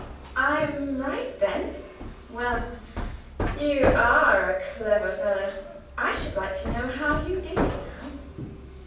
"I am right, then? Well, you are a clever fellow. I should like to know how you did it, now?"